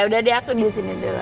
yaudah deh aku disini dulu aja